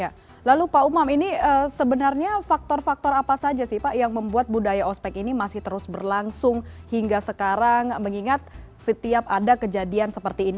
ya lalu pak umam ini sebenarnya faktor faktor apa saja sih pak yang membuat budaya ospek ini masih terus berlangsung hingga sekarang mengingat setiap ada kejadian seperti ini